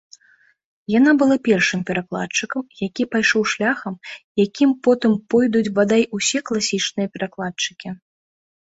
Яна была першым перакладчыкам, які пайшоў шляхам, якім потым пойдуць бадай усе класічныя перакладчыкі.